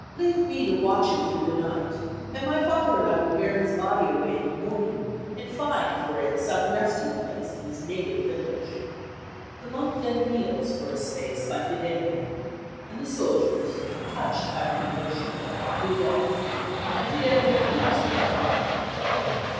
Leave me to watch him through the night, and my father and I will bear his body away in the morning and find for it some resting place in his native village." The monk then kneels for a space by Fidelia; and the soldiers, touched by her devotion, move off, and Fidelia leaves with her father.